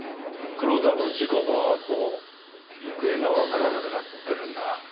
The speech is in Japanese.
黒田の事故のあと行方がわからなくなってるんだ。